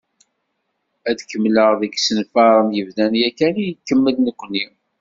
Ad d-kemmleɣ deg yisenfaren yebdan yakan i nekemmel nekkni.